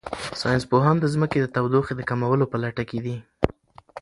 ساینس پوهان د ځمکې د تودوخې د کمولو په لټه کې دي.